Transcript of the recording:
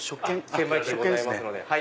券売機ございますので。